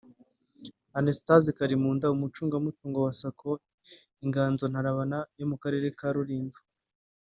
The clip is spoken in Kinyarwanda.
Anastase Kalimunda umucungamutungo wa Sacco Inganzo Ntarabana yo mu Karere ka Rulindo